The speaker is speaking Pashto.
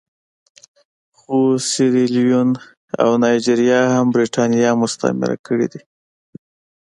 خو سیریلیون او نایجیریا هم برېټانیا مستعمره کړي دي.